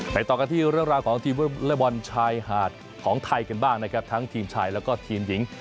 ต่อกันที่เรื่องราวของทีมวอเล็กบอลชายหาดของไทยกันบ้างนะครับทั้งทีมชายแล้วก็ทีมหญิง